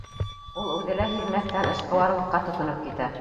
Ул үҙе лә һиҙмәҫтән эшҡыуарлыҡҡа тотоноп китә.